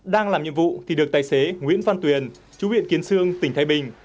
đang làm nhiệm vụ thì được tài xế nguyễn văn tuyền chú viện kiến sương tỉnh thái bình